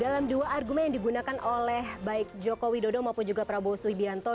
dalam dua argumen yang digunakan oleh baik jokowi dodo maupun juga prabowo suhibianto